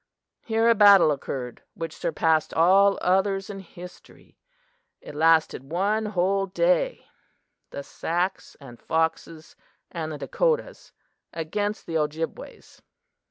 Here a battle occurred which surpassed all others in history. It lasted one whole day the Sacs and Foxes and the Dakotas against the Ojibways.